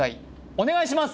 お願いします